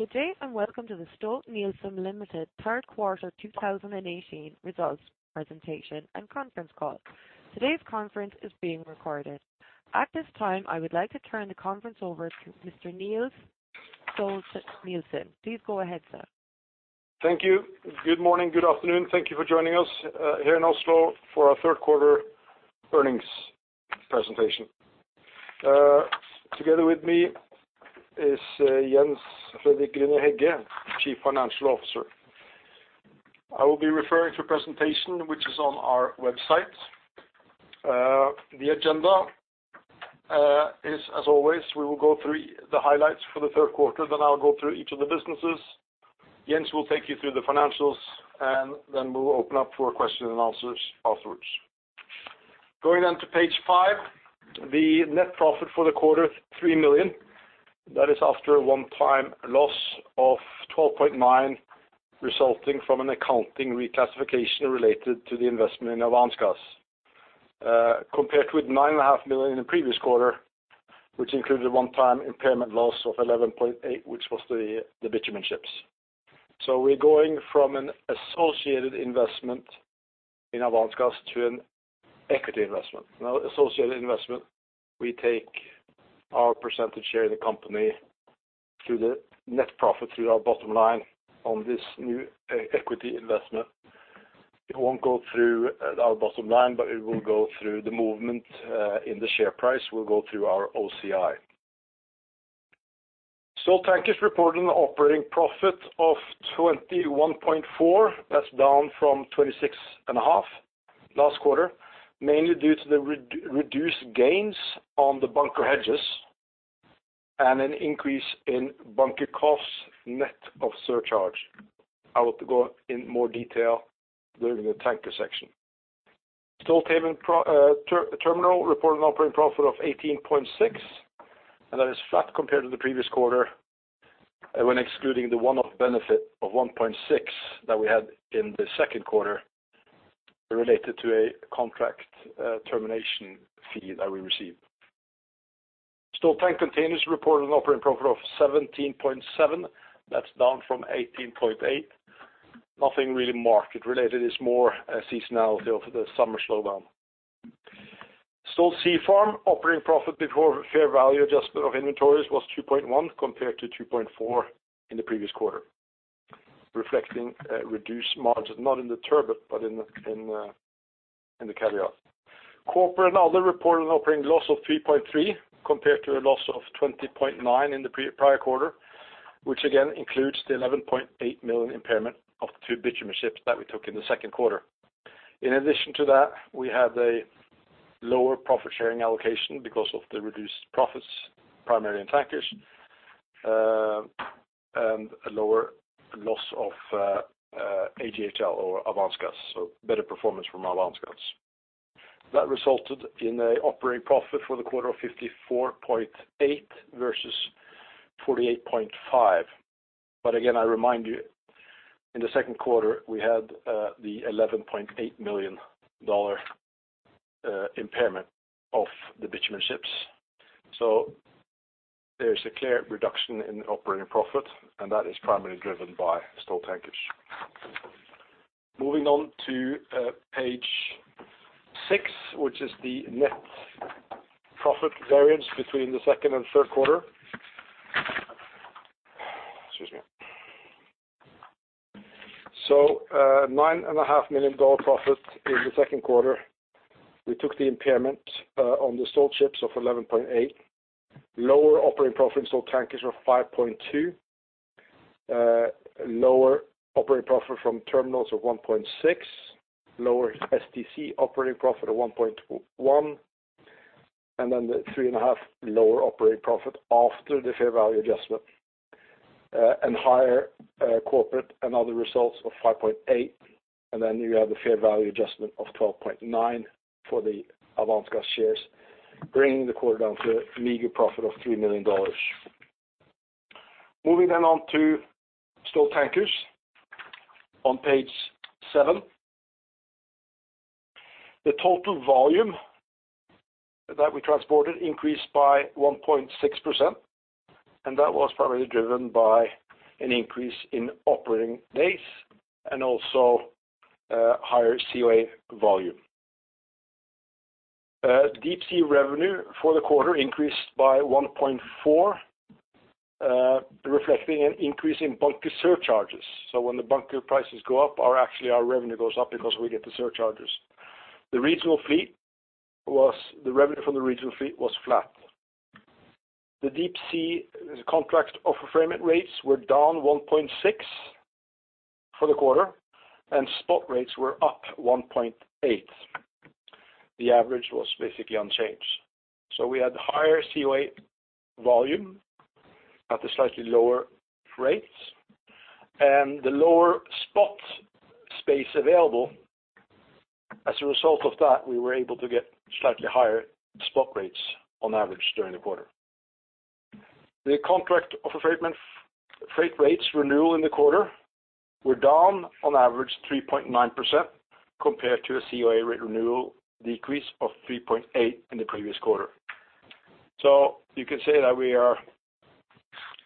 Good day, welcome to the Stolt-Nielsen Limited third quarter 2018 results presentation and conference call. Today's conference is being recorded. At this time, I would like to turn the conference over to Mr. Niels G. Stolt-Nielsen. Please go ahead, sir. Thank you. Good morning, good afternoon. Thank you for joining us here in Oslo for our third quarter earnings presentation. Together with me is Jens F. Grüner-Hegge, Chief Financial Officer. I will be referring to a presentation which is on our website. The agenda is as always, we will go through the highlights for the third quarter, I will go through each of the businesses. Jens will take you through the financials, we will open up for question and answers afterwards. Going on to page five, the net profit for the quarter is $3 million. That is after a one-time loss of $12.9 million resulting from an accounting reclassification related to the investment in Avance Gas. Compared with $9.5 million in the previous quarter, which included a one-time impairment loss of $11.8 million, which was the bitumen ships. We are going from an associated investment in Avance Gas to an equity investment. Now, associated investment, we take our percentage share in the company to the net profit through our bottom line on this new equity investment. It will not go through our bottom line, it will go through the movement in the share price, will go through our OCI. Stolt Tankers reported an operating profit of $21.4 million. That is down from $26.5 million last quarter, mainly due to the reduced gains on the bunker hedges and an increase in bunker costs net of surcharge. I will go in more detail during the Tankers section. Stolthaven reported an operating profit of $18.6 million, that is flat compared to the previous quarter when excluding the one-off benefit of $1.6 million that we had in the second quarter related to a contract termination fee that we received. Stolt Tank Containers reported an operating profit of $17.7 million. That is down from $18.8 million. Nothing really market related, it is more a seasonality of the summer slowdown. Stolt Sea Farm operating profit before fair value adjustment of inventories was $2.1 million, compared to $2.4 million in the previous quarter, reflecting a reduced margin, not in the turbot, in the caviar. Corporate and other reported an operating loss of $3.3 million compared to a loss of $20.9 million in the prior quarter, which again includes the $11.8 million impairment of the two bitumen ships that we took in the second quarter. In addition to that, we had a lower profit-sharing allocation because of the reduced profits, primarily in Tankers, a lower loss of AGHL or Avance Gas, better performance from Avance Gas. That resulted in an operating profit for the quarter of $54.8 million versus $48.5 million. Again, I remind you, in the second quarter, we had the $11.8 million impairment of the bitumen ships. There is a clear reduction in operating profit, and that is primarily driven by Stolt Tankers. Moving on to page 6, which is the net profit variance between the second and third quarter. Excuse me. $9.5 million profit in the second quarter. We took the impairment on the Stolt ships of $11.8 million. Lower operating profit in Stolt Tankers of $5.2 million. Lower operating profit from terminals of $1.6 million. Lower STC operating profit of $1.1 million. The $3.5 million lower operating profit after the fair value adjustment, and higher corporate and other results of $5.8 million. You have the fair value adjustment of $12.9 million for the Avance Gas shares, bringing the quarter down to a meager profit of $3 million. Moving on to Stolt Tankers on page 7. The total volume that we transported increased by 1.6%, and that was primarily driven by an increase in operating days and also higher COA volume. Deepsea revenue for the quarter increased by 1.4%, reflecting an increase in bunker surcharges. When the bunker prices go up, actually our revenue goes up because we get the surcharges. The revenue from the regional fleet was flat. The Deepsea contract offer freight rates were down 1.6% for the quarter, and spot rates were up 1.8%. The average was basically unchanged. We had higher COA volume at the slightly lower rates and the lower spot space available. As a result of that, we were able to get slightly higher spot rates on average during the quarter. The contract offer freight rates renewal in the quarter were down on average 3.9% compared to a COA rate renewal decrease of 3.8% in the previous quarter. You can say that we are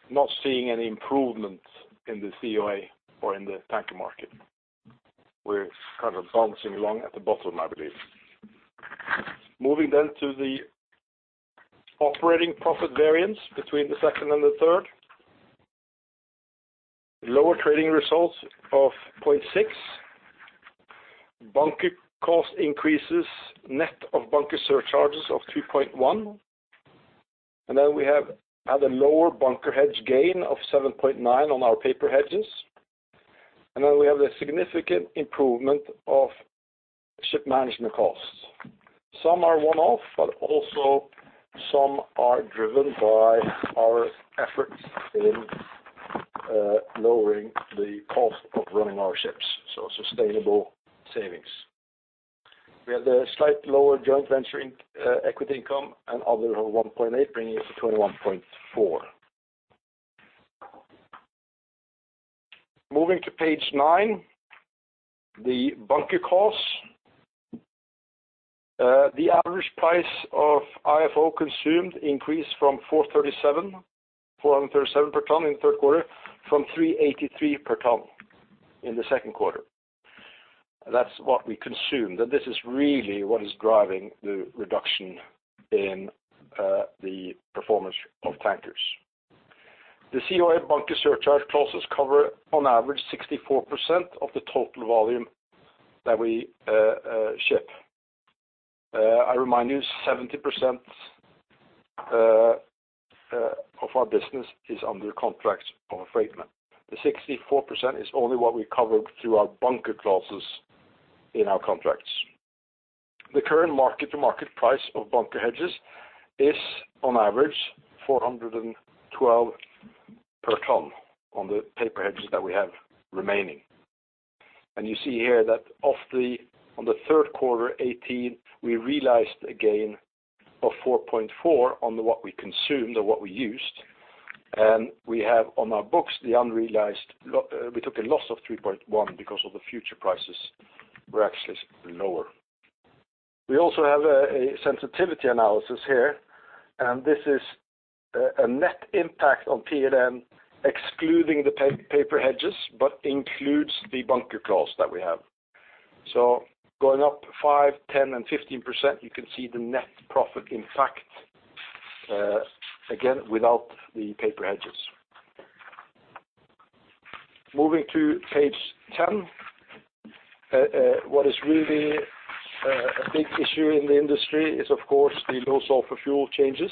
not seeing any improvement in the COA or in the tanker market. We're kind of bouncing along at the bottom, I believe. Moving to the operating profit variance between the second and the third. Lower trading results of $0.6 million. Bunker cost increases, net of bunker surcharges of $3.1 million. We have had a lower bunker hedge gain of $7.9 million on our paper hedges. We have the significant improvement of ship management costs. Some are one-off, but also some are driven by our efforts in lowering the cost of running our ships. Sustainable savings. We have the slight lower joint venture equity income and other $1.8 million, bringing it to $21.4 million. Moving to page 9, the bunker costs. The average price of IFO consumed increased from $437 per ton in the third quarter from $383 per ton in the second quarter. That's what we consume. This is really what is driving the reduction in the performance of tankers. The COA bunker surcharge clauses cover on average 64% of the total volume that we ship. I remind you, 70% of our business is under contracts of affreightment. The 64% is only what we covered through our bunker clauses in our contracts. The current market to market price of bunker hedges is on average $412 per ton on the paper hedges that we have remaining. You see here that on the third quarter 2018, we realized a gain of $4.4 million on what we consumed or what we used. We have on our books, we took a loss of $3.1 because of the future prices were actually lower. We also have a sensitivity analysis here, and this is a net impact on LTM, excluding the paper hedges, but includes the bunker costs that we have. Going up 5%, 10%, and 15%, you can see the net profit impact, again, without the paper hedges. Moving to page 10. What is really a big issue in the industry is, of course, the low sulfur fuel changes.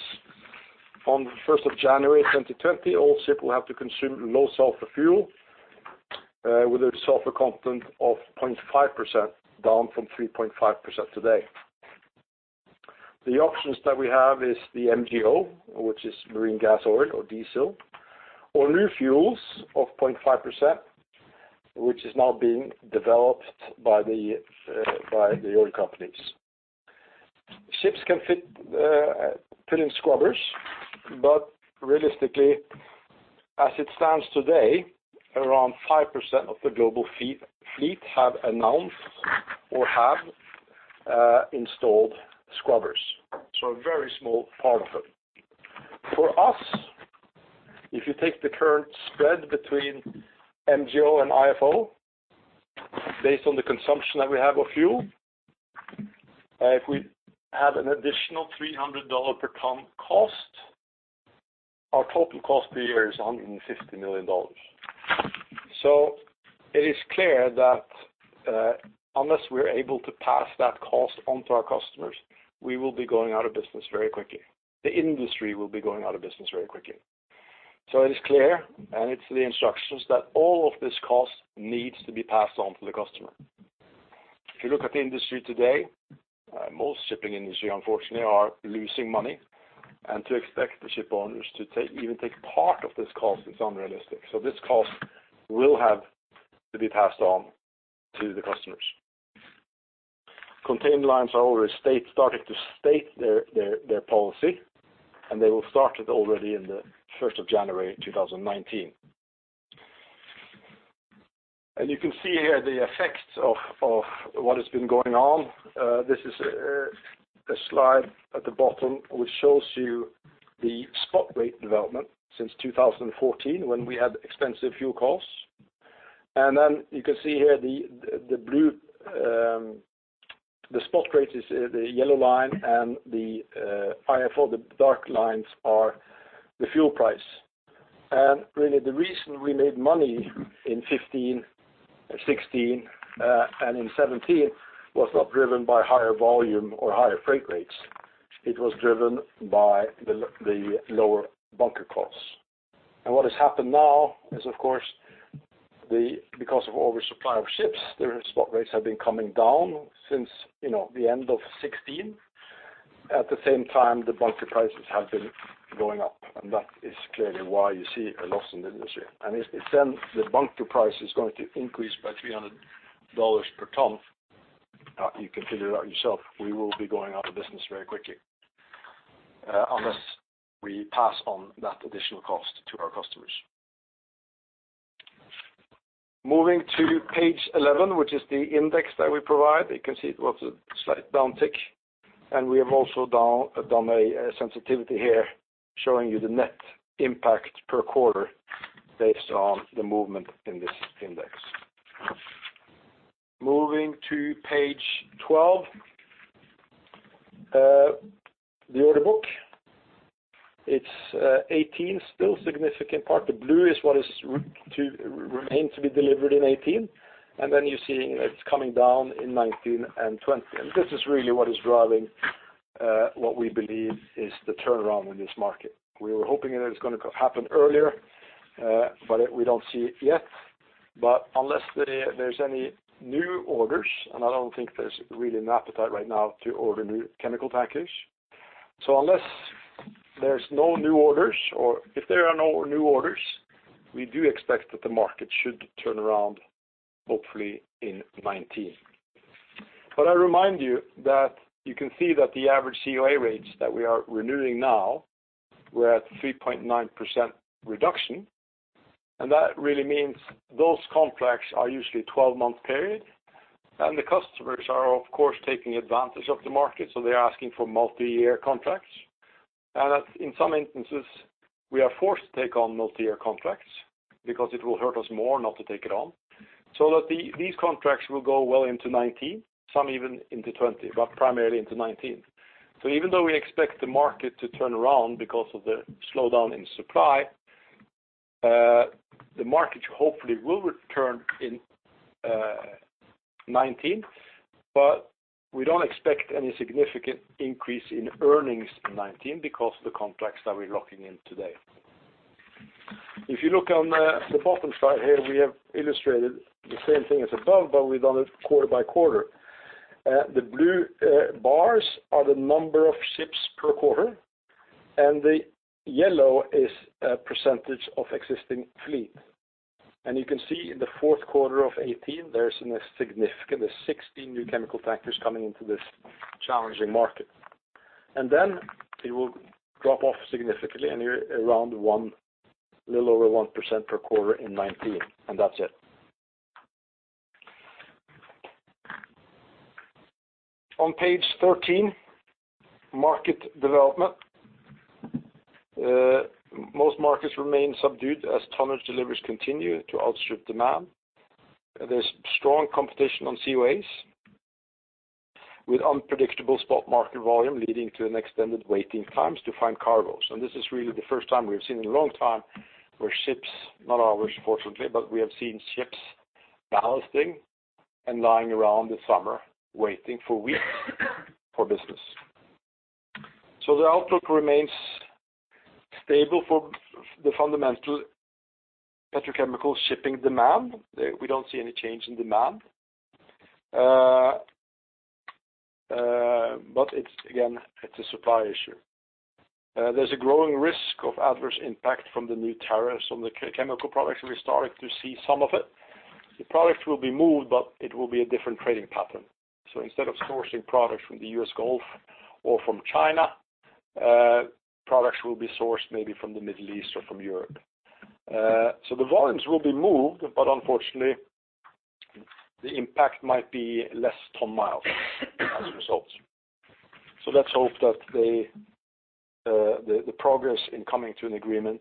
On the 1st of January 2020, all ships will have to consume low sulfur fuel with a sulfur content of 0.5%, down from 3.5% today. The options that we have is the MGO, which is marine gas oil or diesel, or new fuels of 0.5%, which is now being developed by the oil companies. Ships can fit in scrubbers, but realistically, as it stands today, around 5% of the global fleet have announced or have installed scrubbers. A very small part of it. For us, if you take the current spread between MGO and IFO based on the consumption that we have of fuel, if we have an additional $300 per ton cost, our total cost per year is $150 million. It is clear that unless we are able to pass that cost on to our customers, we will be going out of business very quickly. The industry will be going out of business very quickly. It is clear, and it's the instructions that all of this cost needs to be passed on to the customer. If you look at the industry today, most shipping industry, unfortunately, are losing money, to expect the ship owners to even take part of this cost is unrealistic. This cost will have to be passed on to the customers. Container lines are already starting to state their policy, and they will start it already in the 1st of January 2019. You can see here the effects of what has been going on. This is a slide at the bottom which shows you the spot rate development since 2014 when we had expensive fuel costs. Then you can see here the blue, the spot rate is the yellow line and the IFO, the dark lines are the fuel price. Really the reason we made money in 2015 and 2016, and in 2017 was not driven by higher volume or higher freight rates. It was driven by the lower bunker costs. What has happened now is of course, because of oversupply of ships, their spot rates have been coming down since the end of 2016. At the same time, the bunker prices have been going up, that is clearly why you see a loss in the industry. If then the bunker price is going to increase by $300 per ton, you can figure it out yourself, we will be going out of business very quickly. Unless we pass on that additional cost to our customers. Moving to page 11, which is the index that we provide. You can see it was a slight downtick, and we have also done a sensitivity here showing you the net impact per quarter based on the movement in this index. Moving to page 12. The order book. It's 18, still significant part. The blue is what remains to be delivered in 2018. Then you're seeing it's coming down in 2019 and 2020. This is really what is driving what we believe is the turnaround in this market. We were hoping it was going to happen earlier, but we don't see it yet. Unless there's any new orders, and I don't think there's really an appetite right now to order new chemical tankers. Unless there's no new orders, or if there are no new orders, we do expect that the market should turn around, hopefully in 2019. I remind you that you can see that the average COA rates that we are renewing now, we're at 3.9% reduction, and that really means those contracts are usually 12-month period, and the customers are, of course, taking advantage of the market, so they are asking for multi-year contracts. That in some instances, we are forced to take on multi-year contracts because it will hurt us more not to take it on, so that these contracts will go well into 2019, some even into 2020, but primarily into 2019. Even though we expect the market to turn around because of the slowdown in supply, the market hopefully will return in 2019, but we don't expect any significant increase in earnings in 2019 because of the contracts that we're locking in today. If you look on the bottom side here, we have illustrated the same thing as above, but we've done it quarter by quarter. The blue bars are the number of ships per quarter, and the yellow is percentage of existing fleet. You can see in the fourth quarter of 2018, there is a significant. There's 16 new chemical tankers coming into this challenging market. Then it will drop off significantly and you're around one, little over 1% per quarter in 2019, and that's it. On page 13, market development. Most markets remain subdued as tonnage deliveries continue to outstrip demand. There's strong competition on COAs with unpredictable spot market volume leading to an extended waiting times to find cargoes. This is really the first time we've seen in a long time where ships, not ours fortunately, but we have seen ships ballasting and lying around this summer waiting for weeks for business. The outlook remains stable for the fundamental petrochemical shipping demand. We don't see any change in demand. Again, it's a supply issue. There's a growing risk of adverse impact from the new tariffs on the chemical products. We're starting to see some of it. The product will be moved, but it will be a different trading pattern. Instead of sourcing products from the U.S. Gulf or from China, products will be sourced maybe from the Middle East or from Europe. The volumes will be moved, but unfortunately, the impact might be less ton miles as a result. Let's hope that the progress in coming to an agreement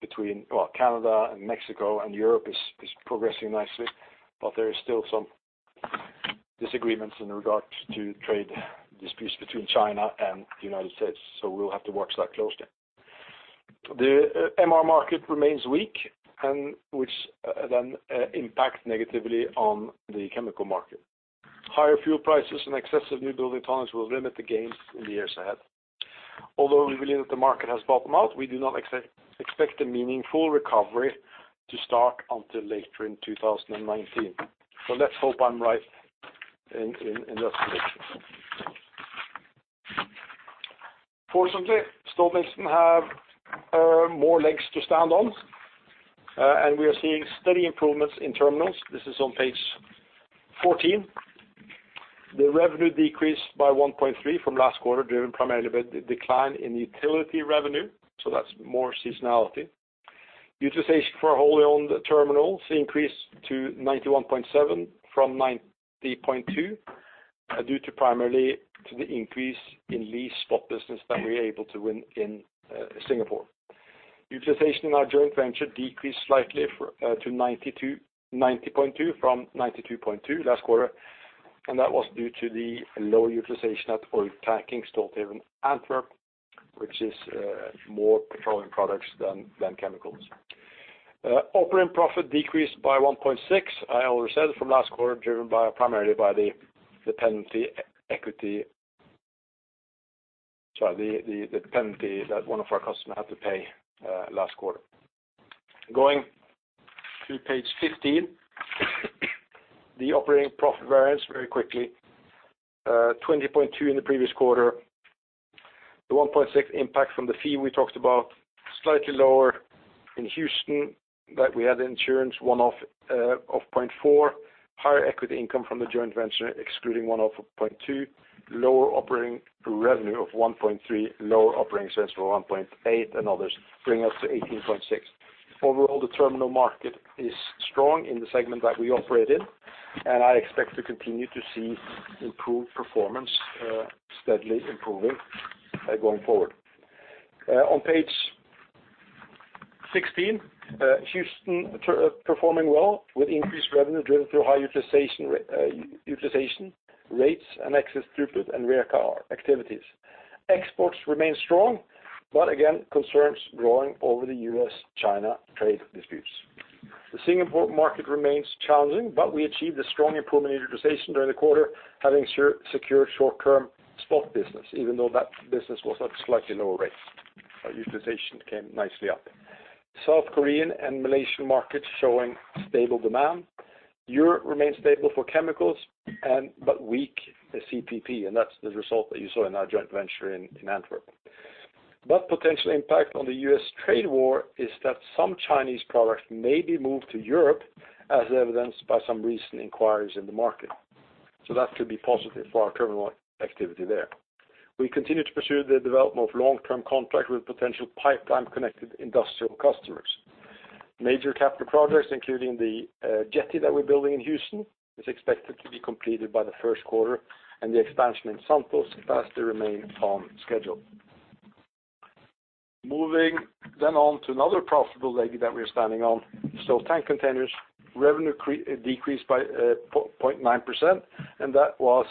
between Canada and Mexico and Europe is progressing nicely. There is still some disagreements in regard to trade disputes between China and the United States, so we'll have to watch that closely. The MR market remains weak, which then impacts negatively on the chemical market. Higher fuel prices and excessive newbuilding tonnage will limit the gains in the years ahead. Although we believe that the market has bottomed out, we do not expect a meaningful recovery to start until later in 2019. Let's hope I'm right in that prediction. Fortunately, Stolt-Nielsen have more legs to stand on. We are seeing steady improvements in terminals. This is on page 14. The revenue decreased by $1.3 from last quarter, driven primarily by the decline in utility revenue. That's more seasonality. Utilization for wholly owned terminals increased to 91.7% from 90.2% due to primarily to the increase in leased spot business that we were able to win in Singapore. Utilization in our joint venture decreased slightly to 90.2% from 92.2% last quarter. That was due to the lower utilization at Oiltanking Stolthaven Antwerp, which is more petroleum products than chemicals. Operating profit decreased by $1.6. I already said it from last quarter, driven primarily by the penalty that one of our customers had to pay last quarter. Going to page 15. The operating profit variance very quickly, $20.2 in the previous quarter. The $1.6 impact from the fee we talked about, slightly lower In Houston, we had insurance one-off of $0.4, higher equity income from the joint venture, excluding one-off of $0.2, lower operating revenue of $1.3, lower operating expense of $1.8 and others bring us to $18.6. Overall, the terminal market is strong in the segment that we operate in. I expect to continue to see improved performance steadily improving going forward. On page 16, Houston performing well with increased revenue driven through high utilization rates and excess throughput and railcar activities. Exports remain strong. Again concerns growing over the U.S., China trade disputes. The Singapore market remains challenging. We achieved a strong improvement in utilization during the quarter, having secured short-term spot business, even though that business was at slightly lower rates, utilization came nicely up. South Korean and Malaysian markets showing stable demand. Europe remains stable for chemicals. Weak CPP, that's the result that you saw in our joint venture in Antwerp. Potential impact on the U.S. trade war is that some Chinese products may be moved to Europe, as evidenced by some recent inquiries in the market. That could be positive for our terminal activity there. We continue to pursue the development of long-term contracts with potential pipeline-connected industrial customers. Major capital projects, including the jetty that we're building in Houston, is expected to be completed by the first quarter. The expansion in Santos is fast to remain on schedule. Moving on to another profitable leg that we are standing on. Stolt Tank Containers revenue decreased by 0.9%. That was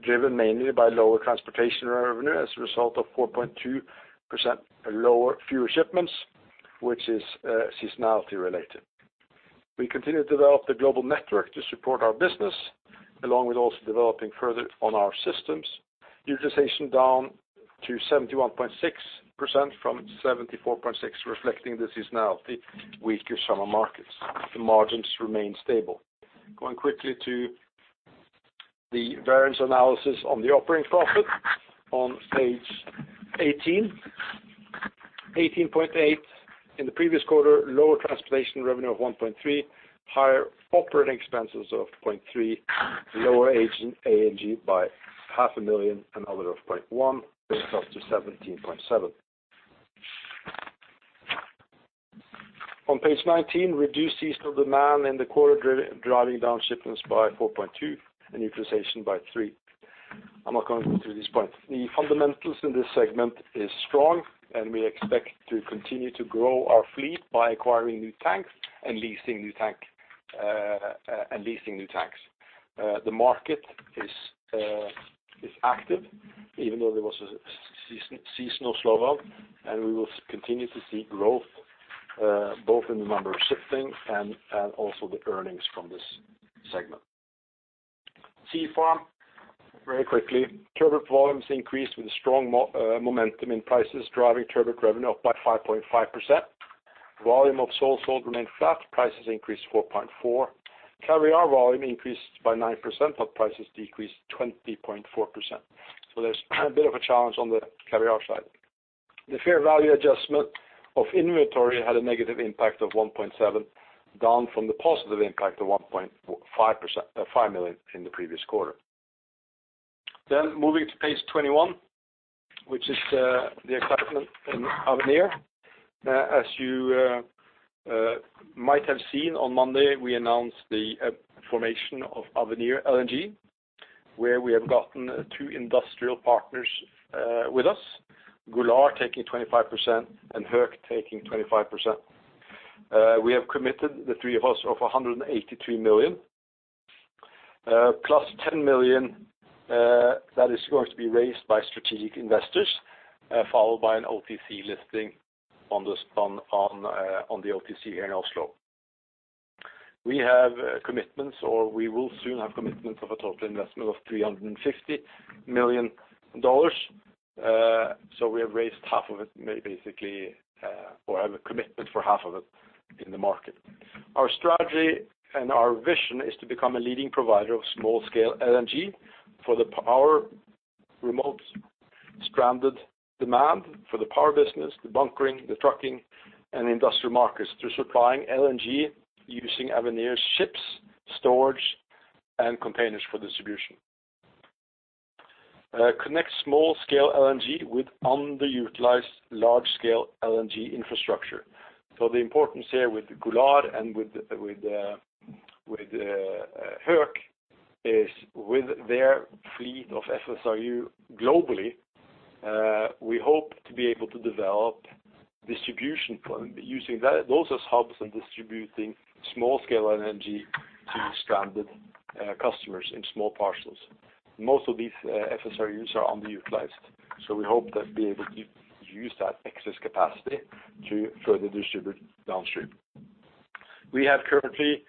driven mainly by lower transportation revenue as a result of 4.2% lower fewer shipments, which is seasonality related. We continue to develop the global network to support our business, along with also developing further on our systems. Utilization down to 71.6% from 74.6%, reflecting the seasonality weaker summer markets. The margins remain stable. Going quickly to the variance analysis on the operating profit on page 18. $18.8 in the previous quarter, lower transportation revenue of $1.3, higher operating expenses of $0.3, lower agent A&G by half a million and other of $0.1, brings us to $17.7. On page 19, reduced seasonal demand in the quarter, driving down shipments by 4.2% and utilization by 3%. I'm not going to go through these points. The fundamentals in this segment is strong. We expect to continue to grow our fleet by acquiring new tanks and leasing new tanks. The market is active even though there was a seasonal slowdown, and we will continue to see growth both in the number of shipping and also the earnings from this segment. Stolt Sea Farm, very quickly. Turbot volumes increased with a strong momentum in prices driving turbot revenue up by 5.5%. Volume of sole sold remained flat. Prices increased 4.4%. Caviar volume increased by 9%, but prices decreased 20.4%. There's a bit of a challenge on the caviar side. The fair value adjustment of inventory had a negative impact of $1.7 million, down from the positive impact of $1.5 million in the previous quarter. Moving to page 21, which is the excitement in Avenir. As you might have seen on Monday, we announced the formation of Avenir LNG, where we have gotten two industrial partners with us, Golar taking 25% and Höegh taking 25%. We have committed the three of us of $183 million, plus $10 million that is going to be raised by strategic investors, followed by an OTC listing on the OTC here in Oslo. We have commitments, or we will soon have commitments of a total investment of $350 million. We have raised half of it basically, or have a commitment for half of it in the market. Our strategy and our vision is to become a leading provider of small scale LNG for the power remotes, stranded demand for the power business, the bunkering, the trucking, and industrial markets through supplying LNG using Avenir's ships, storage, and containers for distribution. Connect small scale LNG with underutilized large scale LNG infrastructure. The importance here with Golar and with Höegh is with their fleet of FSRU globally, we hope to be able to develop distribution using those as hubs and distributing small scale LNG to stranded customers in small parcels. Most of these FSRUs are underutilized, we hope to be able to use that excess capacity to further distribute downstream. We have currently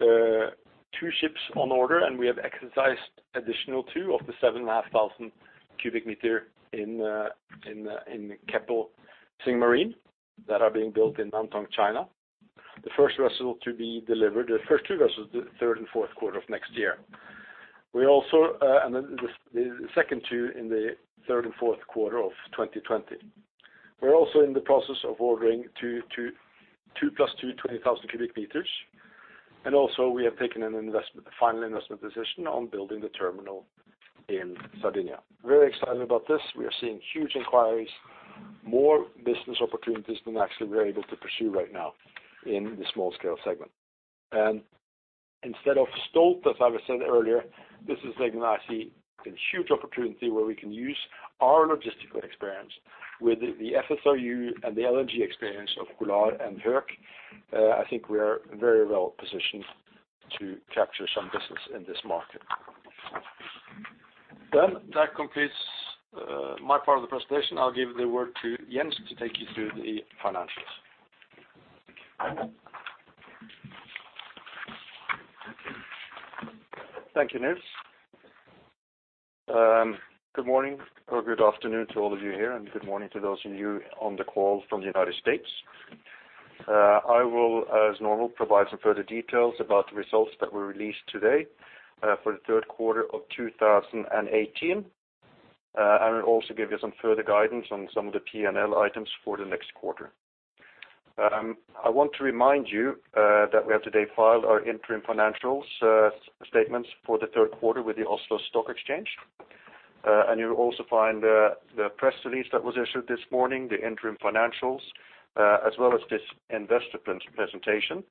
two ships on order, and we have exercised additional two of the 7,500 cubic meters in Keppel Singmarine that are being built in Nantong, China. The first vessel to be delivered, the first two vessels, the third and fourth quarter of next year. The second two in the third and fourth quarter of 2020. We're also in the process of ordering two plus two 20,000 cubic meters. We have taken a final investment decision on building the terminal in Sardinia. Very excited about this. We are seeing huge inquiries, more business opportunities than actually we are able to pursue right now in the small scale segment. Instead of Stolt, as I said earlier, this is actually a huge opportunity where we can use our logistical experience with the FSRU and the LNG experience of Golar and Höegh. I think we are very well positioned to capture some business in this market. That completes my part of the presentation. I'll give the word to Jens to take you through the financials. Thank you, Niels. Good morning or good afternoon to all of you here, and good morning to those of you on the call from the U.S. I will, as normal, provide some further details about the results that were released today for the third quarter of 2018. Also give you some further guidance on some of the P&L items for the next quarter. I want to remind you that we have today filed our interim financials statements for the third quarter with the Oslo Stock Exchange. You will also find the press release that was issued this morning, the interim financials, as well as this investor presentation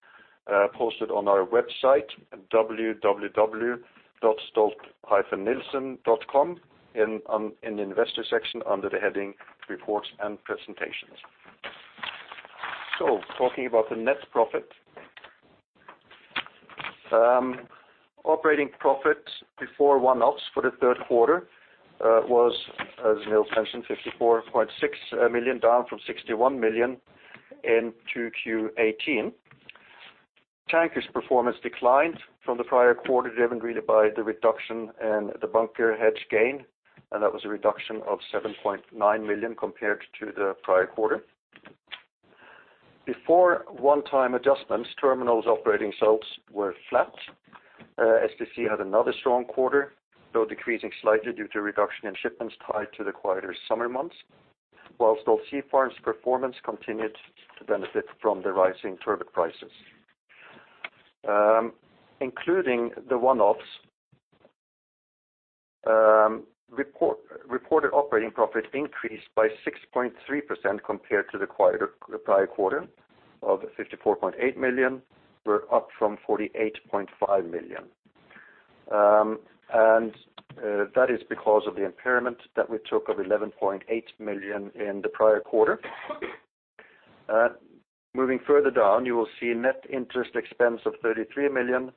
posted on our website at www.stolt-nielsen.com in the investor section under the heading Reports and Presentations. Talking about the net profit. Operating profit before one-offs for the third quarter was, as Niels mentioned, $54.6 million, down from $61 million in 2Q18. Tankers performance declined from the prior quarter, driven really by the reduction in the bunker hedge gain, that was a reduction of $7.9 million compared to the prior quarter. Before one-time adjustments, terminals operating results were flat. STC had another strong quarter, though decreasing slightly due to reduction in shipments tied to the quieter summer months, whilst Stolt Sea Farm's performance continued to benefit from the rising turbot prices. Including the one-offs, reported operating profit increased by 6.3% compared to the prior quarter of $54.8 million. We are up from $48.5 million. That is because of the impairment that we took of $11.8 million in the prior quarter. Moving further down, you will see net interest expense of $33 million,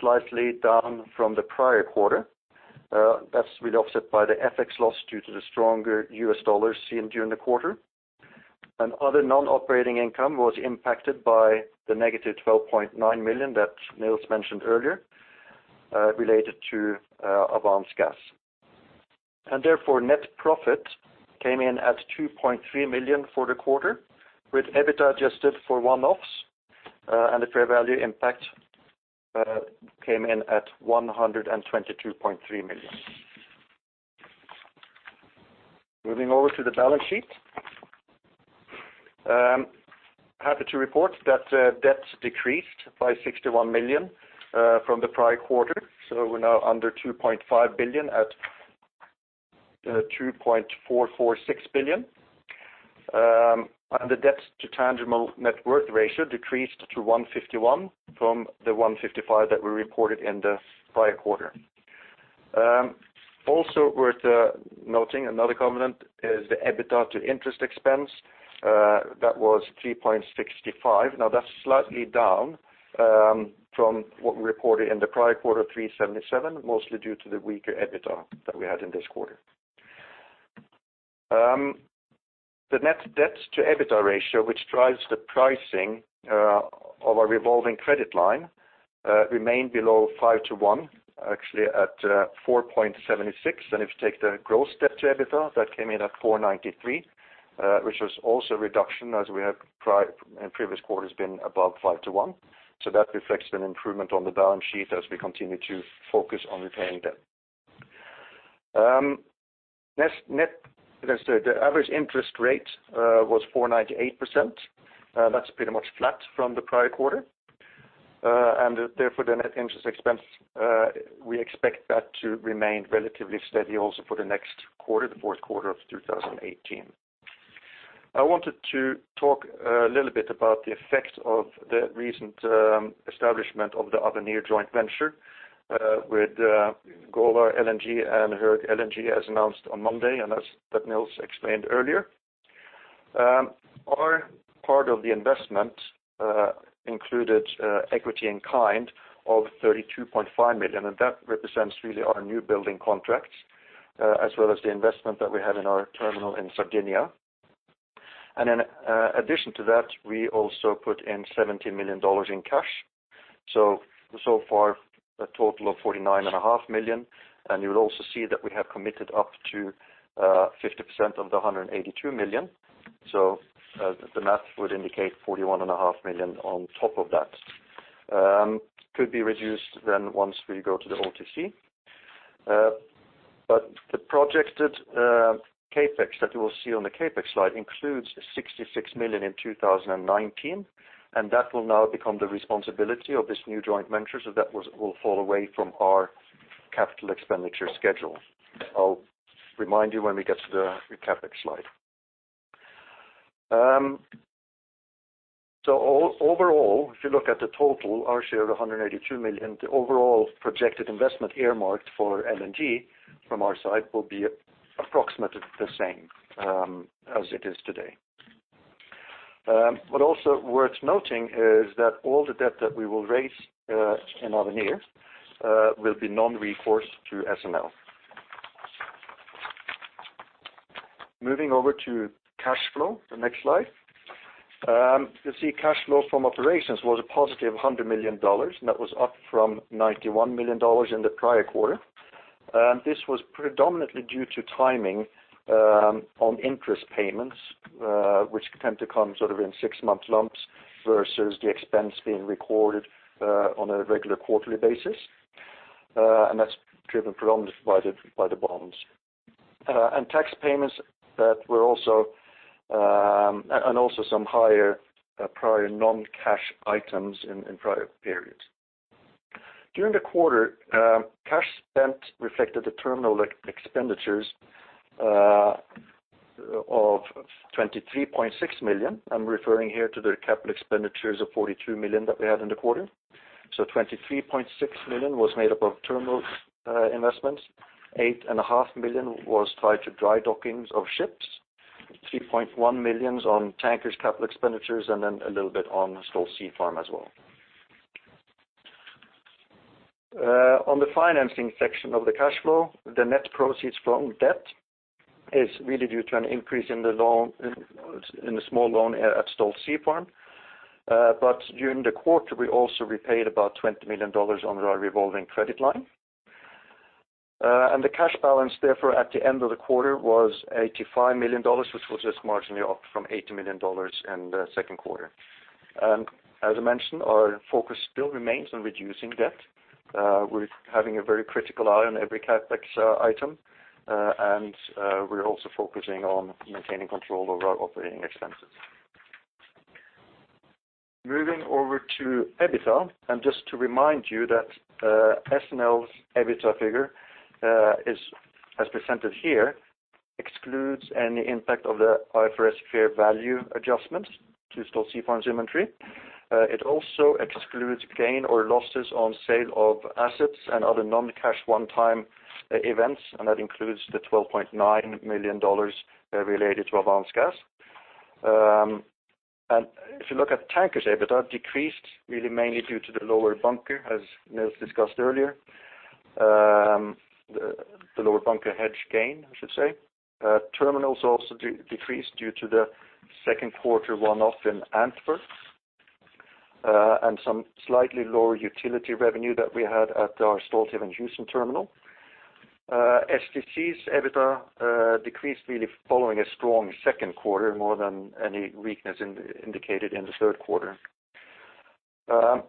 slightly down from the prior quarter. That is really offset by the FX loss due to the stronger U.S. dollar seen during the quarter. Other non-operating income was impacted by the negative $12.9 million that Niels mentioned earlier related to Avance Gas. Therefore net profit came in at $2.3 million for the quarter with EBITDA adjusted for one-offs and the fair value impact came in at $122.3 million. Moving over to the balance sheet. Happy to report that debt decreased by $61 million from the prior quarter. We are now under $2.5 billion at $2.446 billion. The debt to tangible net worth ratio decreased to 151 from the 155 that we reported in the prior quarter. Also worth noting, another component is the EBITDA to interest expense. That was 3.65. That is slightly down from what we reported in the prior quarter, 3.77, mostly due to the weaker EBITDA that we had in this quarter. The net debt to EBITDA ratio, which drives the pricing of our revolving credit line remained below 5 to 1, actually at 4.76. If you take the gross debt to EBITDA, that came in at 493, which was also a reduction as we have in previous quarters been above 5 to 1. That reflects an improvement on the balance sheet as we continue to focus on repaying debt. The average interest rate was 4.98%. That is pretty much flat from the prior quarter. Therefore the net interest expense we expect that to remain relatively steady also for the next quarter, the fourth quarter of 2018. I wanted to talk a little bit about the effect of the recent establishment of the other new joint venture with Golar LNG and Höegh LNG as announced on Monday and as Niels explained earlier. Our part of the investment included equity in kind of $32.5 million and that represents really our new building contracts as well as the investment that we have in our terminal in Sardinia. In addition to that, we also put in $70 million in cash. So far, a total of $49.5 million. You will also see that we have committed up to 50% of the $182 million. The math would indicate $41.5 million on top of that. Could be reduced then once we go to the OTC. The projected CapEx that you will see on the CapEx slide includes $66 million in 2019, that will now become the responsibility of this new joint venture. That will fall away from our capital expenditure schedule. I'll remind you when we get to the CapEx slide. Overall, if you look at the total, our share of $182 million, the overall projected investment earmarked for LNG from our side will be approximately the same as it is today. Also worth noting is that all the debt that we will raise in Avenir will be non-recourse to SNL. Moving over to cash flow, the next slide. You'll see cash flow from operations was a positive $100 million, and that was up from $91 million in the prior quarter. This was predominantly due to timing on interest payments which tend to come sort of in six-month lumps versus the expense being recorded on a regular quarterly basis. That's driven predominantly by the bonds. Tax payments and also some higher prior non-cash items in prior periods. During the quarter, cash spent reflected the terminal expenditures of $23.6 million. I'm referring here to the capital expenditures of $42 million that we had in the quarter. $23.6 million was made up of terminal investments. $8.5 million was tied to dry dockings of ships, $3.1 million on Tankers' capital expenditures, and then a little bit on Stolt Sea Farm as well. On the financing section of the cash flow, the net proceeds from debt is really due to an increase in the small loan at Stolt Sea Farm. During the quarter, we also repaid about $20 million on our revolving credit line. The cash balance therefore at the end of the quarter was $85 million, which was just marginally up from $80 million in the second quarter. As I mentioned, our focus still remains on reducing debt. We're having a very critical eye on every CapEx item. We are also focusing on maintaining control over our operating expenses. Moving over to EBITDA, just to remind you that SNL's EBITDA figure as presented here excludes any impact of the IFRS fair value adjustment to Stolt Sea Farm's inventory. It also excludes gain or losses on sale of assets and other non-cash one-time events, and that includes the $12.9 million related to Avance Gas. If you look at Tankers, EBITDA decreased really mainly due to the lower bunker, as Nils discussed earlier. The lower bunker hedge gain, I should say. Terminals also decreased due to the second quarter one-off in Antwerp, and some slightly lower utility revenue that we had at our Stolt Sea Farm terminal. STC's EBITDA decreased really following a strong second quarter, more than any weakness indicated in the third quarter. As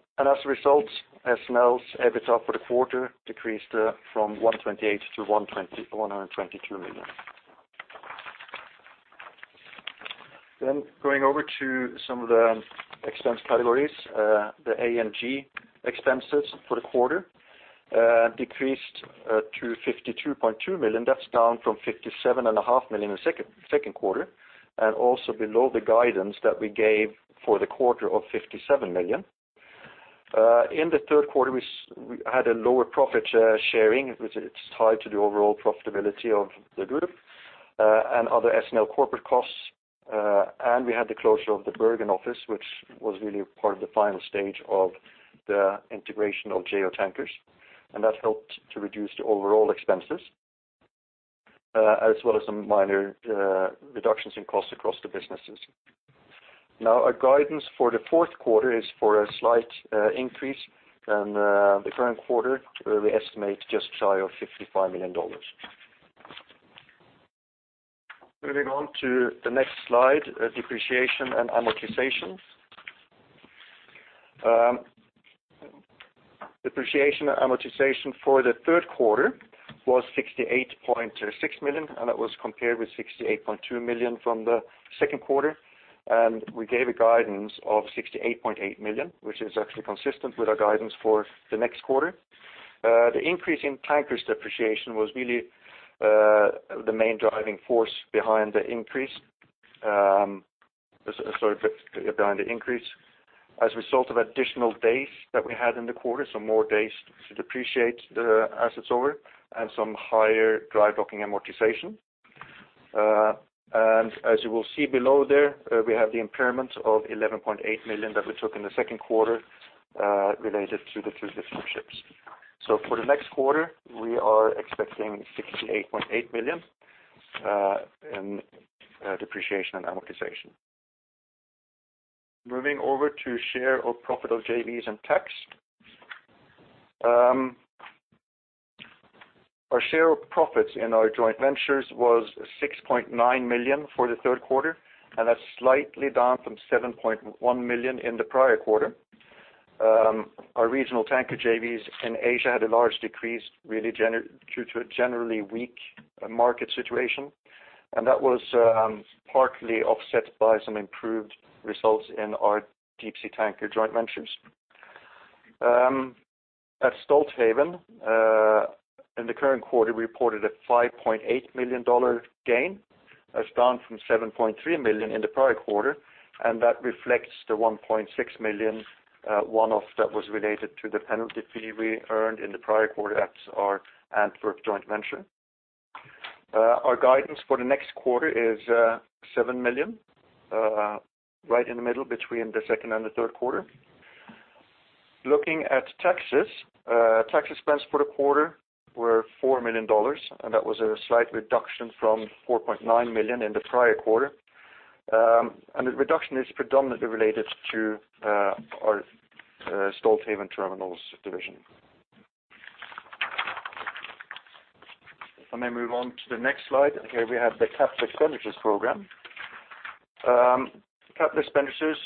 a result, SNL's EBITDA for the quarter decreased from $128 to $123 million. Going over to some of the expense categories. The A&G expenses for the quarter decreased to $52.2 million. That's down from $57.5 million in the second quarter, and also below the guidance that we gave for the quarter of $57 million. In the third quarter, we had a lower profit sharing, which it's tied to the overall profitability of the group, and other SNL corporate costs. We had the closure of the Bergen office, which was really part of the final stage of the integration of Jo Tankers, and that helped to reduce the overall expenses, as well as some minor reductions in cost across the businesses. Our guidance for the fourth quarter is for a slight increase on the current quarter, where we estimate just shy of $55 million. Moving on to the next slide, depreciation and amortization. Depreciation and amortization for the third quarter was $68.6 million, and that was compared with $68.2 million from the second quarter. We gave a guidance of $68.8 million, which is actually consistent with our guidance for the next quarter. The increase in Tankers depreciation was really the main driving force behind the increase as a result of additional days that we had in the quarter, so more days to depreciate the assets over and some higher dry docking amortization. As you will see below there, we have the impairment of $11.8 million that we took in the second quarter related to the two different ships. For the next quarter, we are expecting $68.8 million in depreciation and amortization. Moving over to share of profit of JVs and tax. Our share of profits in our joint ventures was $6.9 million for the third quarter, and that's slightly down from $7.1 million in the prior quarter. Our regional tanker JVs in Asia had a large decrease due to a generally weak market situation, and that was partly offset by some improved results in our deep-sea tanker joint ventures. At Stolthaven, in the current quarter, we reported a $5.8 million gain. That's down from $7.3 million in the prior quarter, and that reflects the $1.6 million one-off that was related to the penalty fee we earned in the prior quarter at our Antwerp joint venture. Our guidance for the next quarter is $7 million, right in the middle between the second and the third quarter. Looking at taxes. Tax expense for the quarter were $4 million, and that was a slight reduction from $4.9 million in the prior quarter. The reduction is predominantly related to our Stolthaven Terminals division. Move on to the next slide. Here we have the capital expenditures program. Capital expenditures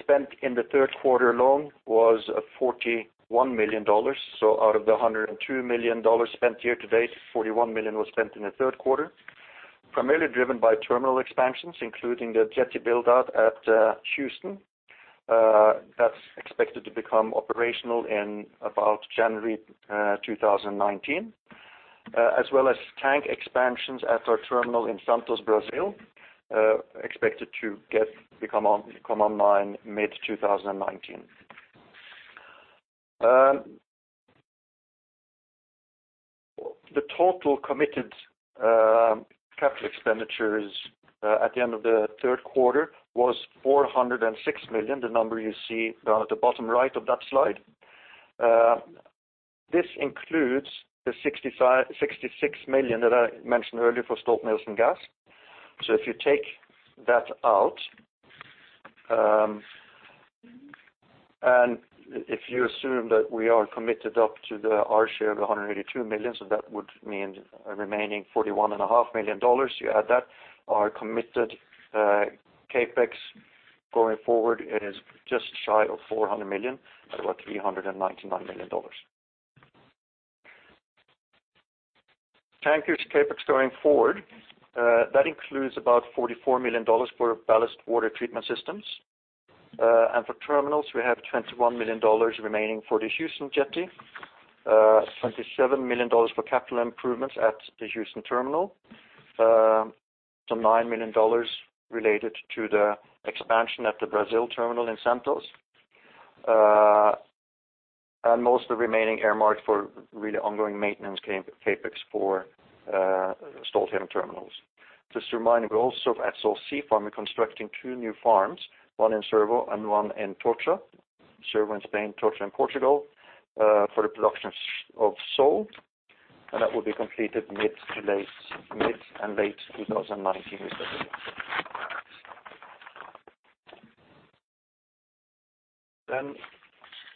spent in the third quarter alone was $41 million. Out of the $102 million spent year to date, $41 million was spent in the third quarter. Primarily driven by terminal expansions, including the jetty build-out at Houston. That's expected to become operational in about January 2019. Tank expansions at our terminal in Santos, Brazil, expected to come online mid-2019. The total committed capital expenditures at the end of the third quarter was $406 million, the number you see down at the bottom right of that slide. This includes the $66 million that I mentioned earlier for Stolt-Nielsen Gas. If you take that out, if you assume that we are committed up to our share of the $182 million, that would mean a remaining $41.5 million. You add that, our committed CapEx going forward is just shy of $400 million at about $399 million. Tankers CapEx going forward. That includes about $44 million for ballast water treatment systems. For terminals, we have $21 million remaining for the Houston jetty, $27 million for capital improvements at the Houston terminal, some $9 million related to the expansion at the Brazil terminal in Santos. Most of the remaining earmarked for really ongoing maintenance CapEx for Stolthaven Terminals. Just a reminder, we also at Stolt Sea Farm are constructing two new farms, one in Huelva and one in Tocha. Huelva in Spain, Tocha in Portugal, for the production of sole, that will be completed mid and late 2019, we say here.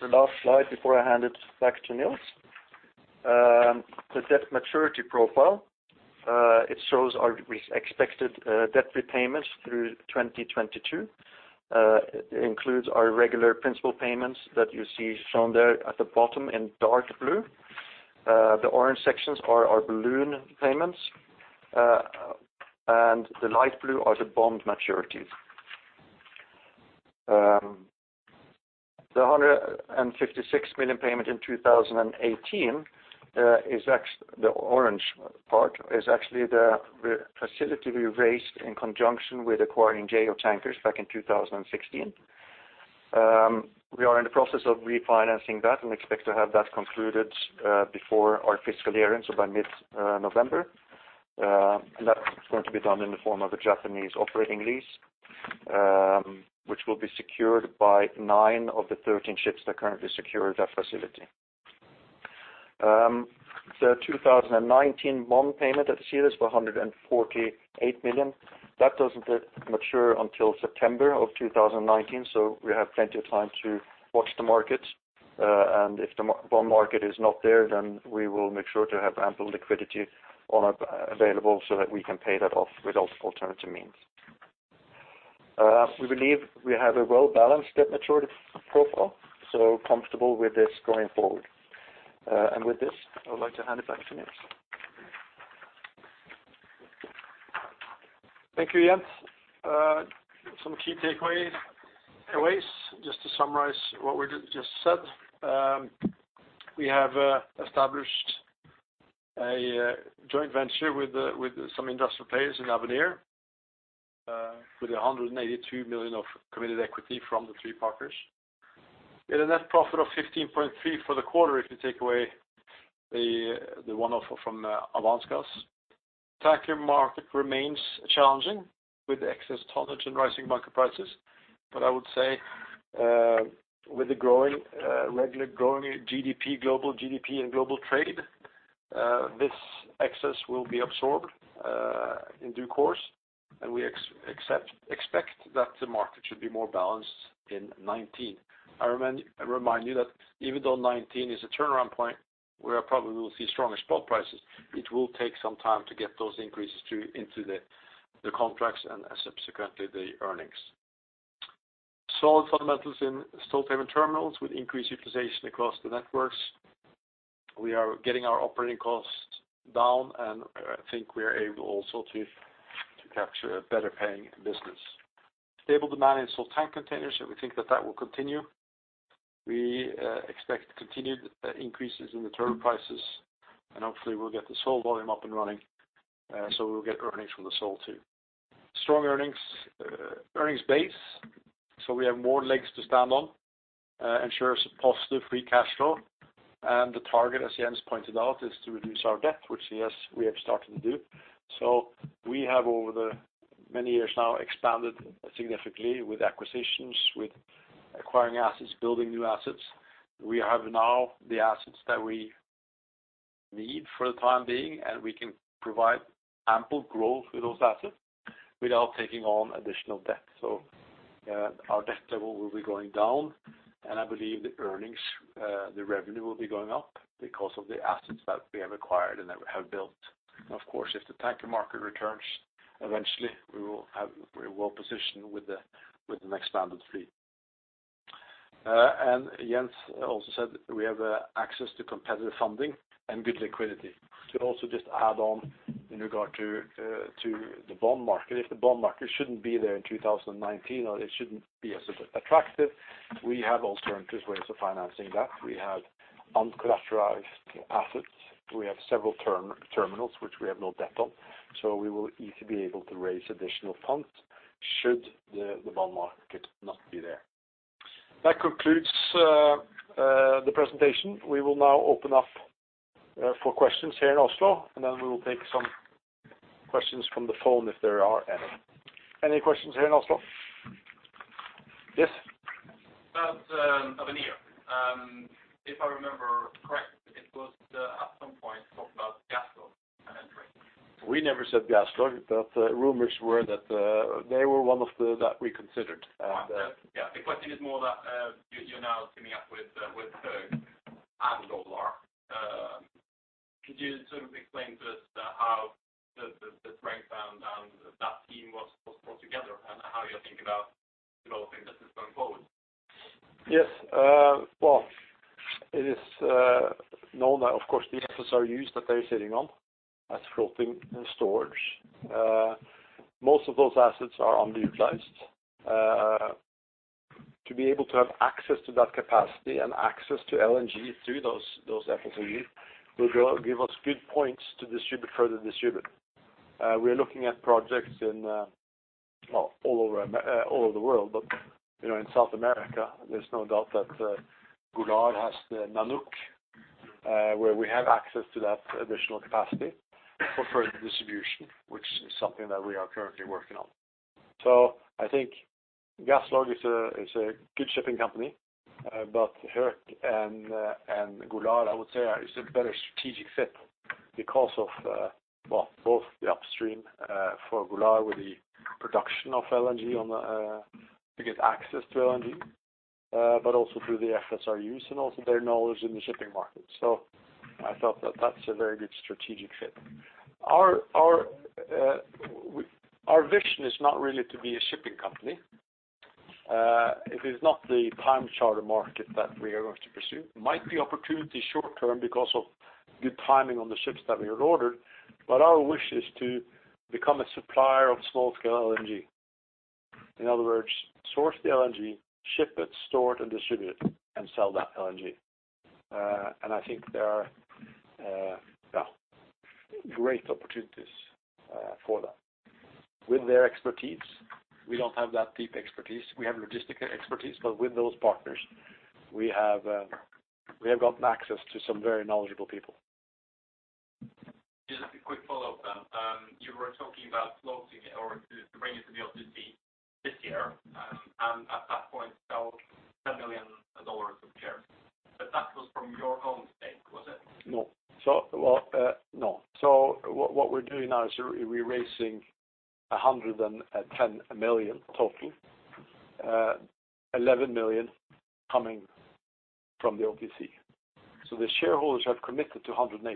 The last slide before I hand it back to Niels. The debt maturity profile. It shows our expected debt repayments through 2022. It includes our regular principal payments that you see shown there at the bottom in dark blue. The orange sections are our balloon payments. The light blue are the bond maturities. The $156 million payment in 2018, the orange part, is actually the facility we raised in conjunction with acquiring Jo Tankers back in 2016. We are in the process of refinancing that, expect to have that concluded before our fiscal year end, by mid-November. That's going to be done in the form of a Japanese operating lease, which will be secured by nine of the 13 ships that currently secure that facility. The 2019 bond payment that you see there is for $148 million. That doesn't mature until September of 2019, we have plenty of time to watch the market. If the bond market is not there, we will make sure to have ample liquidity available that we can pay that off with alternative means. We believe we have a well-balanced debt maturity profile, comfortable with this going forward. With this, I would like to hand it back to Niels. Thank you, Jens. Some key takeaways just to summarize what we just said. We have established a joint venture with some industrial players in Avenir with $182 million of committed equity from the three partners. We had a net profit of $15.3 for the quarter if you take away the one-off from Avance Gas. Tanker market remains challenging with excess tonnage and rising market prices. I would say with the growing GDP, global GDP and global trade, this excess will be absorbed in due course, and we expect that the market should be more balanced in 2019. I remind you that even though 2019 is a turnaround point where probably we will see stronger spot prices, it will take some time to get those increases into the contracts and subsequently the earnings. Solid fundamentals in Stolthaven Terminals with increased utilization across the networks. We are getting our operating costs down, and I think we are able also to capture a better paying business. Stable demand in Stolt Tank Containers, and we think that that will continue. We expect continued increases in the term prices and hopefully we'll get the sole volume up and running, so we'll get earnings from the sole too. Strong earnings base, we have more legs to stand on, ensures positive free cash flow. The target, as Jens pointed out, is to reduce our debt, which yes, we have started to do. We have, over the many years now, expanded significantly with acquisitions, with acquiring assets, building new assets. We have now the assets that we need for the time being, and we can provide ample growth with those assets without taking on additional debt. Our debt level will be going down, and I believe the earnings, the revenue will be going up because of the assets that we have acquired and that we have built. Of course, if the tanker market returns, eventually we will have very well positioned with an expanded fleet. Jens also said we have access to competitive funding and good liquidity. To also just add on in regard to the bond market, if the bond market shouldn't be there in 2019, or it shouldn't be as attractive, we have alternative ways of financing that. We have uncollateralized assets. We have several terminals which we have no debt on, so we will easily be able to raise additional funds should the bond market not be there. That concludes the presentation. We will now open up for questions here in Oslo, and then we will take some questions from the phone if there are any. Any questions here in Oslo? Yes. About Avenir. If I remember correct, it was at some point talked about GasLog entering. We never said GasLog, rumors were that they were one of that we considered. The question is more that you're now teaming up with Höegh and Golar. Could you sort of explain to us how the strength and that team was brought together and how you're thinking about developing the business going forward? Well, it is known that of course the FSRUs that they're sitting on as floating storage. Most of those assets are underutilized. To be able to have access to that capacity and access to LNG through those FSRUs will give us good points to further distribute. We are looking at projects in all over the world, but in South America, there's no doubt that Golar has the Golar Nanook where we have access to that additional capacity for further distribution, which is something that we are currently working on. I think GasLog is a good shipping company. Höegh and Golar, I would say, is a better strategic fit because of both the upstream for Golar with the production of LNG, to get access to LNG but also through the FSRUs and also their knowledge in the shipping market. I thought that that's a very good strategic fit. Our vision is not really to be a shipping company. It is not the time charter market that we are going to pursue. Might be opportunity short term because of good timing on the ships that we have ordered, but our wish is to become a supplier of small scale LNG. In other words, source the LNG, ship it, store it, and distribute it and sell that LNG. I think there are great opportunities for that. With their expertise, we don't have that deep expertise. We have logistical expertise, but with those partners, we have gotten access to some very knowledgeable people. Just a quick follow-up then. You were talking about floating or to bring it to the OTC this year, and at that point sell $10 million of shares, that was from your own stake, was it? No. What we're doing now is we're raising $110 million total. $11 million coming from the OTC. The shareholders have committed to $182,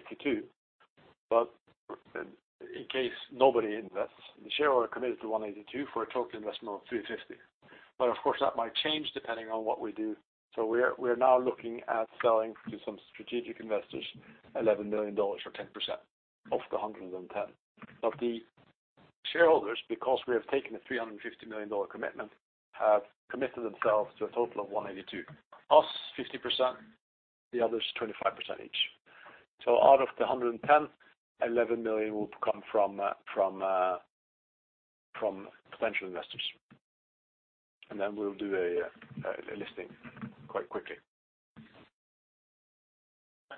in case nobody invests, the shareholder committed to $182 for a total investment of $350. Of course, that might change depending on what we do. We are now looking at selling to some strategic investors, $11 million or 10% of the $110. The shareholders, because we have taken a $350 million commitment, have committed themselves to a total of $182. Us 50%, the others 25% each. Out of the $110, $11 million will come from potential investors. Then we will do a listing quite quickly.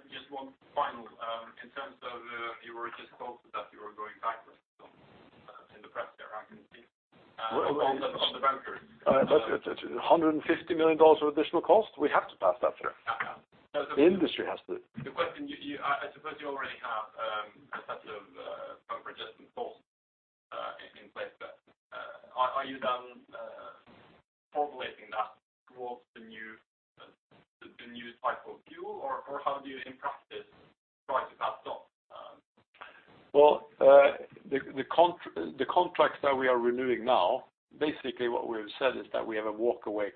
Just one final. In terms of your adjustment costs that you were going back on in the press there, I can see on the bunkers. $150 million of additional cost, we have to pass that through. Yeah. The industry has to. The question, I suppose you already have a set of bunker adjustment costs in place, but are you done populating that towards the new type of fuel, or how do you, in practice, try to pass it on? The contracts that we are renewing now, basically what we have said is that we have a walkaway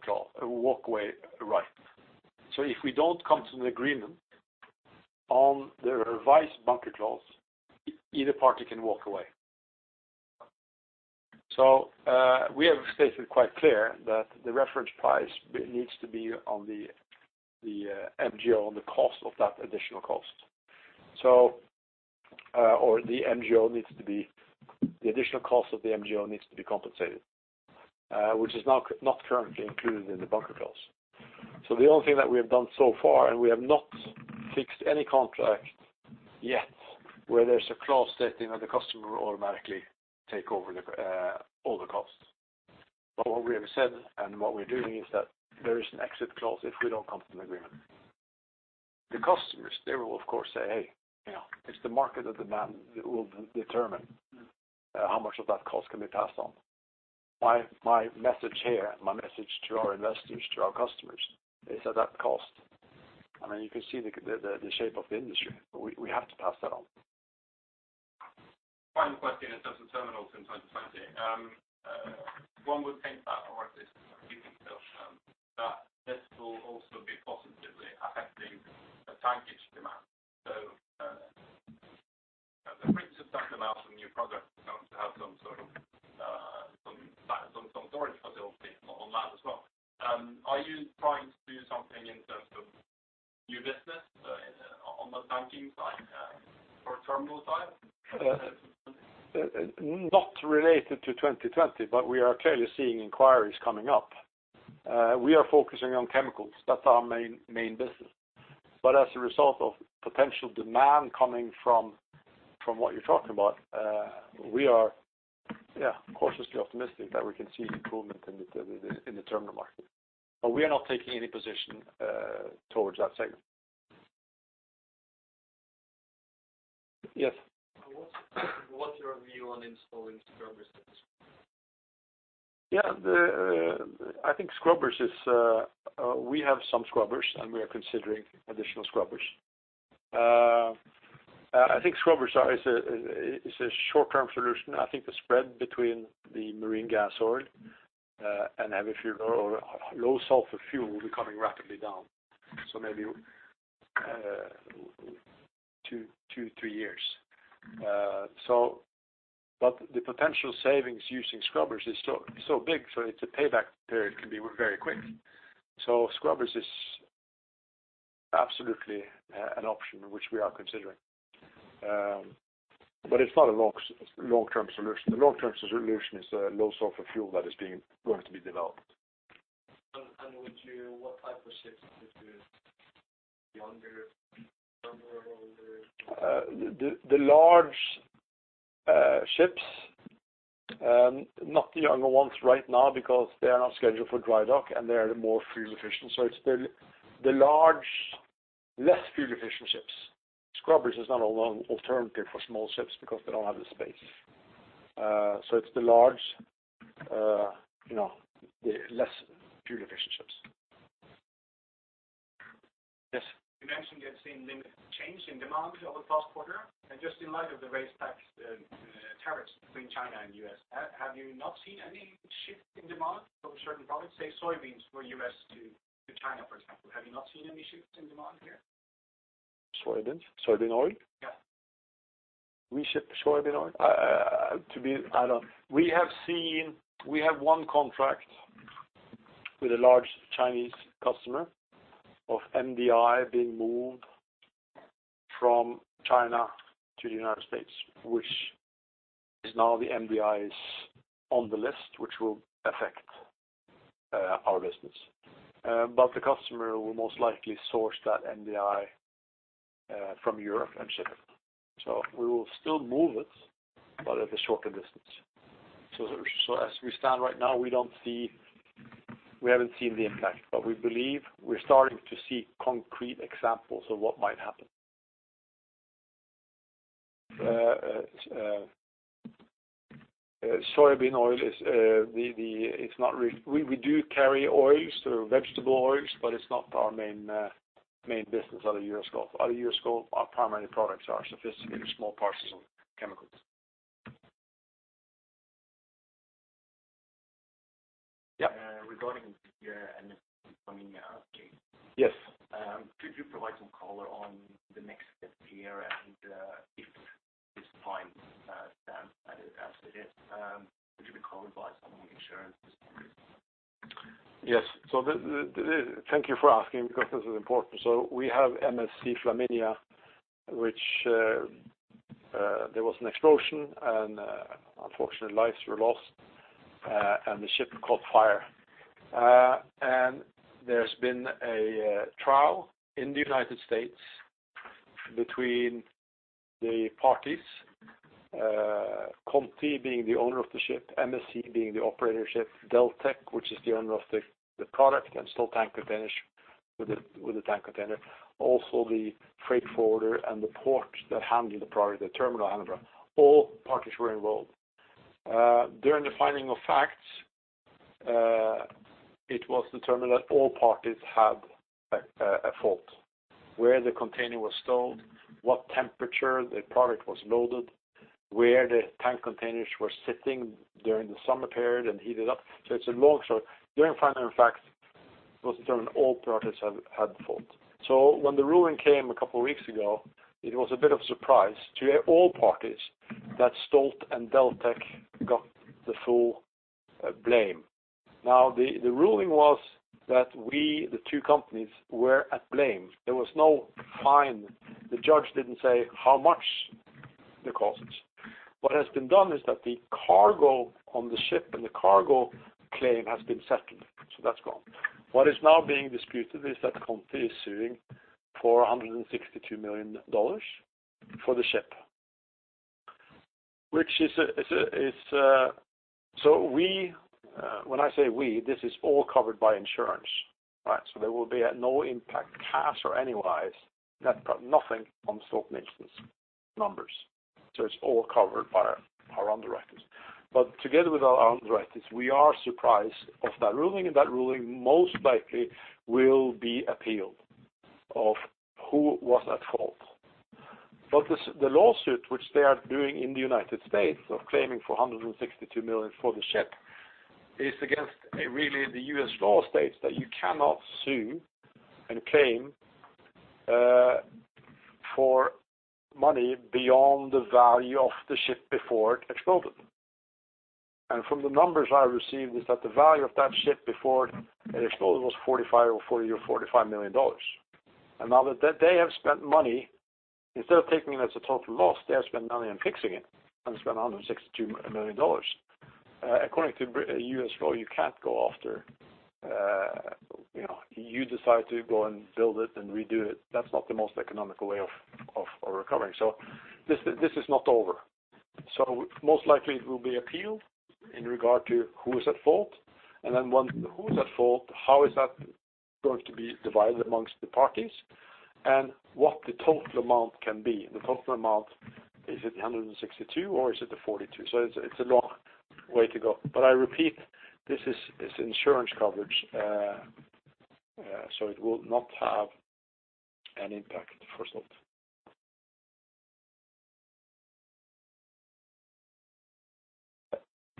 right. If we don't come to an agreement on the revised bunker clause, either party can walk away. We have stated quite clear that the reference price needs to be on the MGO on the cost of that additional cost. The additional cost of the MGO needs to be compensated which is not currently included in the bunker clause. The only thing that we have done so far, and we have not fixed any contract yet, where there's a clause stating that the customer will automatically take over all the costs. What we have said and what we're doing is that there is an exit clause if we don't come to an agreement. The customers, they will, of course, say, "Hey, it's the market of demand that will determine how much of that cost can be passed on." My message here, my message to our investors, to our customers, is that that cost, you can see the shape of the industry. We have to pass that on. Final question in terms of terminals in 2020. One would think that, or at least you can tell, that this will also be positively affecting the tankage demand. The Brits have sent them out some new progress, to have some storage facility on that as well. Are you trying to do something in terms of new business on the tanking side for terminal side? Not related to 2020, we are clearly seeing inquiries coming up. We are focusing on chemicals. That's our main business. As a result of potential demand coming from what you're talking about we are cautiously optimistic that we can see improvement in the terminal market. We are not taking any position towards that segment. Yes. What's your view on installing scrubbers this year? I think scrubbers. We have some scrubbers, and we are considering additional scrubbers. I think scrubbers is a short-term solution. I think the spread between the marine gas oil and heavy fuel oil or low sulfur fuel will be coming rapidly down, so maybe two, three years. The potential savings using scrubbers is so big, so the payback period can be very quick. Scrubbers is absolutely an option which we are considering. It's not a long-term solution. The long-term solution is low sulfur fuel that is going to be developed. What type of ships is this? Younger, older? The large ships, not the younger ones right now because they are not scheduled for dry dock, and they are more fuel efficient. It's the large, less fuel efficient ships. Scrubbers is not a long alternative for small ships because they don't have the space. It's the large less fuel efficient ships. Yes. You mentioned you have seen limited change in demand over the past quarter. Just in light of the raised back tariffs between China and U.S., have you not seen any shift in demand for certain products, say soybeans for U.S. to China, for example? Have you not seen any shifts in demand here? Soybeans? Soybean oil? Yeah. We ship soybean oil? We have one contract with a large Chinese customer of MDI being moved from China to the U.S. The MDI is on the list, which will affect our business. The customer will most likely source that MDI from Europe and ship it. We will still move it, but at a shorter distance. As we stand right now, we haven't seen the impact, but we believe we're starting to see concrete examples of what might happen. Soybean oil is, we do carry oils or vegetable oils, but it's not our main business out of U.S. Gulf. Out of U.S. Gulf, our primary products are sophisticated, small parcels of chemicals. Yeah. Regarding your MSC Flaminia case. Yes. Could you provide some color on the next step here and if this fine stands as it is would you be covered by some insurance? Yes. Thank you for asking because this is important. We have MSC Flaminia, which there was an explosion and unfortunately, lives were lost, and the ship caught fire. There has been a trial in the U.S. between the parties, Conti being the owner of the ship, MSC being the operator of ship, Deltech, which is the owner of the product and Stolt Tank Containers with the tank container. Also, the freight forwarder and the port that handled the product, the terminal handler. All parties were involved. During the finding of facts, it was determined that all parties had a fault. Where the container was stowed, what temperature the product was loaded, where the tank containers were sitting during the summer period and heated up. It's a long story. During finding of facts, it was determined all parties had fault. When the ruling came a couple of weeks ago, it was a bit of surprise to all parties that Stolt and Deltech got the full blame. Now, the ruling was that we, the two companies, were at blame. There was no fine. The judge didn't say how much the cost is. What has been done is that the cargo on the ship and the cargo claim has been settled, so that's gone. What is now being disputed is that Conti is suing for $162 million for the ship. When I say we, this is all covered by insurance. There will be at no impact, cash or any wise, nothing on Stolt-Nielsen's numbers. It's all covered by our underwriters. Together with our underwriters, we are surprised of that ruling, and that ruling most likely will be appealed, of who was at fault. The lawsuit which they are doing in the U.S. of claiming for $162 million for the ship is against the U.S. law states that you cannot sue and claim for money beyond the value of the ship before it exploded. From the numbers I received, is that the value of that ship before it exploded was $45 million or $40 million or $45 million. Now that they have spent money, instead of taking it as a total loss, they have spent money on fixing it and spent $162 million. According to U.S. law, you decide to go and build it and redo it. That's not the most economical way of recovering. This is not over. Most likely it will be appealed in regard to who is at fault. When who's at fault, how is that going to be divided amongst the parties, and what the total amount can be. The total amount, is it $162 million or is it the $42 million? It's a long way to go. I repeat, this is insurance coverage, so it will not have an impact for Stolt.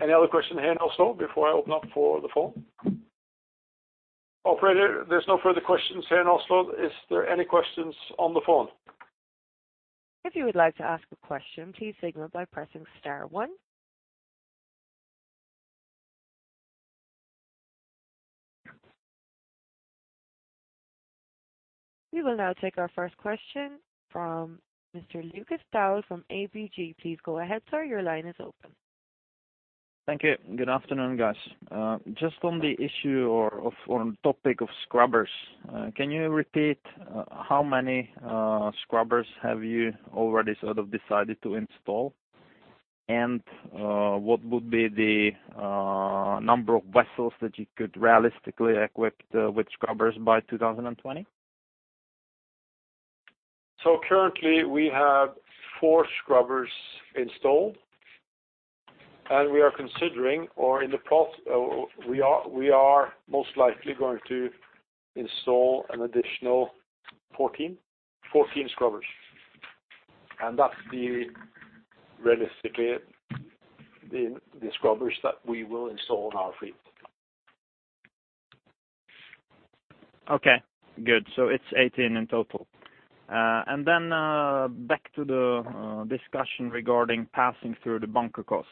Any other question here in Oslo before I open up for the phone? Operator, there's no further questions here in Oslo. Is there any questions on the phone? If you would like to ask a question, please signal by pressing star one. We will now take our first question from Mr. Lukas Daul from ABG. Please go ahead, sir. Your line is open. Thank you. Good afternoon, guys. Just on the issue or on topic of scrubbers. Can you repeat how many scrubbers have you already sort of decided to install? What would be the number of vessels that you could realistically equip with scrubbers by 2020? Currently we have four scrubbers installed. We are considering or we are most likely going to install an additional 14 scrubbers. That's realistically the scrubbers that we will install on our fleet. Okay, good. It's 18 in total. Then back to the discussion regarding passing through the bunker costs.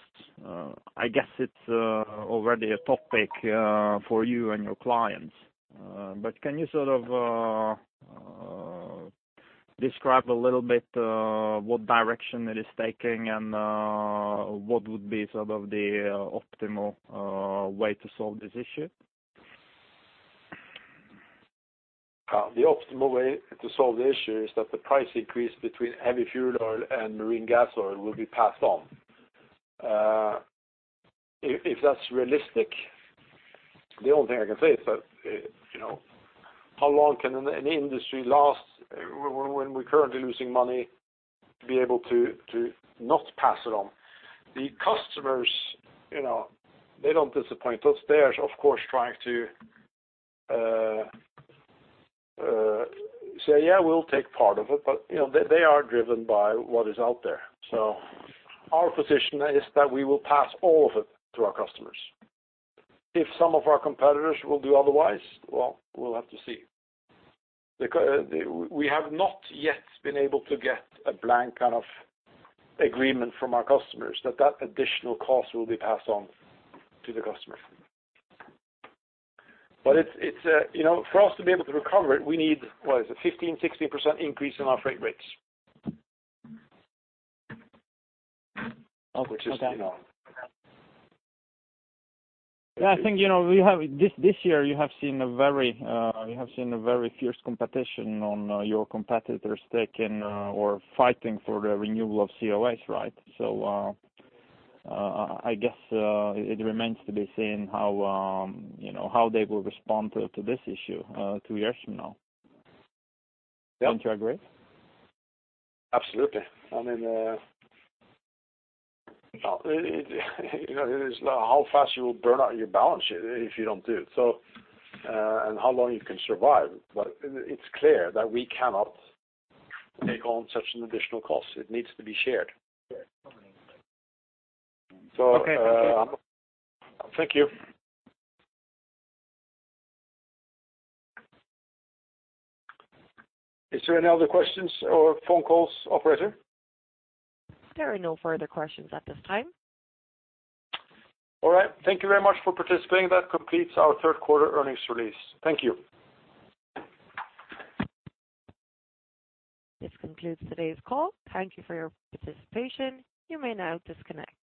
I guess it's already a topic for you and your clients. Can you sort of describe a little bit what direction it is taking and what would be sort of the optimal way to solve this issue? The optimal way to solve the issue is that the price increase between heavy fuel oil and marine gas oil will be passed on. If that's realistic, the only thing I can say is that how long can an industry last when we're currently losing money to be able to not pass it on? The customers, they don't disappoint us. They are, of course, trying to say, "Yeah, we'll take part of it," but they are driven by what is out there. Our position is that we will pass all of it to our customers. If some of our competitors will do otherwise, well, we'll have to see. We have not yet been able to get a blank kind of agreement from our customers that that additional cost will be passed on to the customer. For us to be able to recover it, we need, what is it, 15%-60% increase in our freight rates. Okay. I think this year you have seen a very fierce competition on your competitors taking or fighting for the renewal of COAs, right? I guess it remains to be seen how they will respond to this issue two years from now. Don't you agree? Absolutely. I mean, it is how fast you will burn out your balance sheet if you don't do it, and how long you can survive. It's clear that we cannot take on such an additional cost. It needs to be shared. Okay. Thank you. Thank you. Is there any other questions or phone calls, operator? There are no further questions at this time. All right. Thank you very much for participating. That completes our third quarter earnings release. Thank you. This concludes today's call. Thank you for your participation. You may now disconnect.